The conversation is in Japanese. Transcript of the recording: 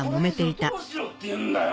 これ以上どうしろって言うんだよ！